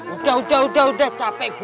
udah udah udah udah capek gue